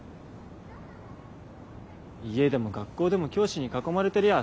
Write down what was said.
家でも学校でも教師に囲まれてりゃ